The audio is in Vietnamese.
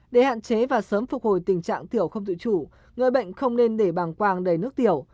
để hạn chế và sớm phục hồi tình trạng tiểu không tự chủ người bệnh không nên để bàng quang đầy nước tiểu